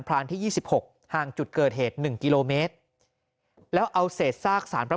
รานที่๒๖ห่างจุดเกิดเหตุ๑กิโลเมตรแล้วเอาเศษซากสารพระ